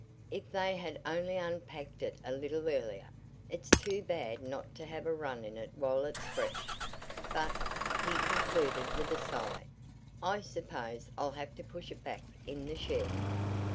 "If they had only unpacked it a little earlier it's too bad not to have a run in it while it's fresh. But," he concluded with a sigh, "I suppose I'll have to push it back in the shed."